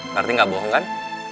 berarti gak bohong kan